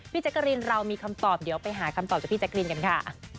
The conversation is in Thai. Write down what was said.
แจ๊กกะรีนเรามีคำตอบเดี๋ยวไปหาคำตอบจากพี่แจ๊กรีนกันค่ะ